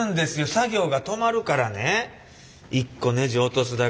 作業が止まるからね一個ネジ落とすだけで。